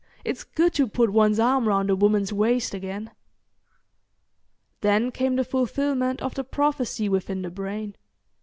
it's good to put one's arm round a woman's waist again." Then came the fulfilment of the prophecy within the brain.